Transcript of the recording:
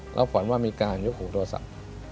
แล้วฝันว่ามีการยกหูโทรศัพท์